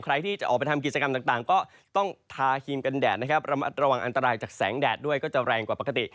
ใครที่จะออกไปทำกิจกรรมต่างก็ต้องทาครีมกันแดดนะครับระมัดระวังอันตรายจากแสงแดดด้วยก็จะแรงกว่าปกติ